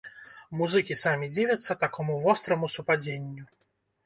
Музыкі самі дзівяцца такому востраму супадзенню.